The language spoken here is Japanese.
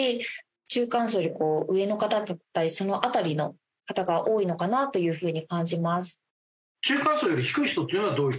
中間層より上の方だったりその辺りの方が多いのかなという風に感じます。